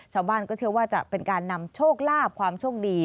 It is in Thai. ชาวบ้านก็เชื่อว่าจะเป็นการนำโชคลาภความโชคดี